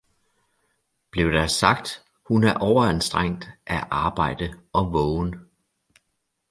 Blev der sagt, hun er overanstrengt af arbejde og vågen